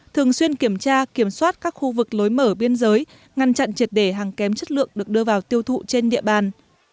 thường xuyên kiểm tra kiểm soát các khu vực lối mở biên giới ngăn chặn triệt để hàng kém chất lượng được đưa vào tiêu thụ trên địa bàn